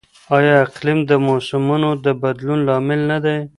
آیا اقلیم د موسمونو د بدلون لامل نه دی؟